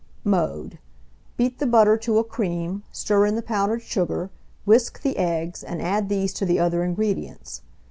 Mode. Beat the butter to a cream, stir in the powdered sugar, whisk the eggs, and add these to the other ingredients.